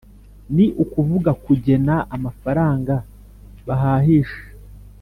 ni ukuvuga, kugena amafaranga bahahisha,